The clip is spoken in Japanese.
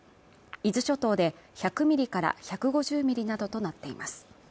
伊豆諸島で１００ミリから１５０ミリなどとなっています